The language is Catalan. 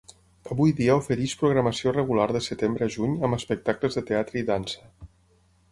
Avui dia ofereix programació regular de setembre a juny amb espectacles de teatre i dansa.